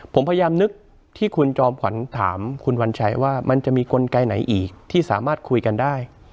ผมพยายามนึกที่คุณจอมขวัญถามคุณวัญชัยว่ามันจะมีกลไกไหนอีกที่สามารถคุยกันได้